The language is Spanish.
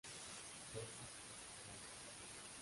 Todas se recuperaron.